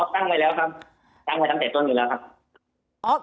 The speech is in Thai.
ตั้งไว้แล้วครับตั้งไว้ตั้งแต่ต้นอยู่แล้วครับ